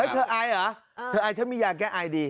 เธออายเหรอเธออายฉันมียาแก้ไอดี